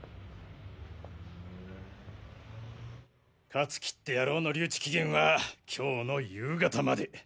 香月って野郎の留置期限は今日の夕方まで。